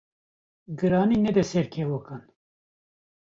Giranî nede ser kevokan